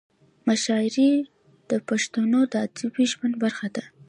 مشاعرې د پښتنو د ادبي ژوند برخه ده.